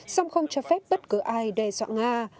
song không cho phép bất cứ ai đe dọa nga